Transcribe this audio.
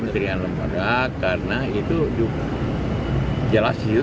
kementerian lembaga karena itu jelas